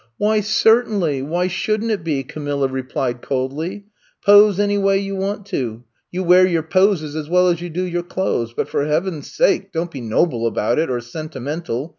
Why, certainly! Why shouldn't it be?" Camilla replied coldly. Pose any way you want to. You wear your poses as well as you do your clothes, but for heaven's sake don't be noble about it, or sentimental.